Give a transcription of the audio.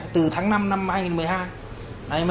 từ tháng năm năm hai nghìn một mươi hai